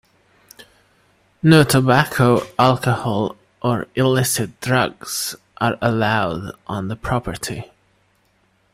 No tobacco, alcohol, or illicit drugs are allowed on the property.